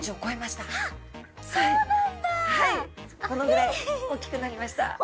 このぐらい大きくなりました。